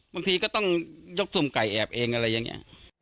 บางทีก็ต้องยกสุ่มไก่แอบเองอะไรอย่างนี้